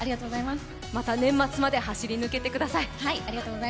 また年末まで走り抜けてください。